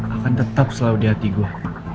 akan tetap selalu di hati gue